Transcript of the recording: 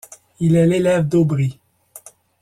Il est l'élève d'Aubry.